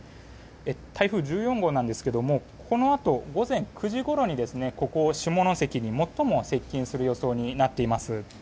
台風１４号なんですがこのあと、午前９時ごろにここ、下関に最も接近する予想になっています。